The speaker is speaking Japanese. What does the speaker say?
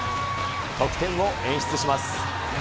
得点を演出します。